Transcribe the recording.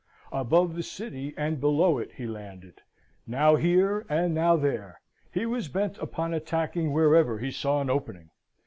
Above the city and below it he landed, now here and now there; he was bent upon attacking wherever he saw an opening.